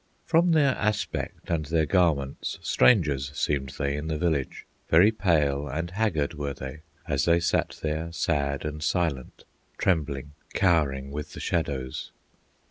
From their aspect and their garments, Strangers seemed they in the village; Very pale and haggard were they, As they sat there sad and silent, Trembling, cowering with the shadows.